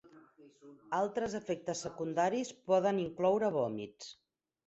Altres efectes secundaris poden incloure vòmits.